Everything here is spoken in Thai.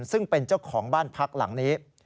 ซึ่งเป็นเจ้าของบ้านพักหลังนี้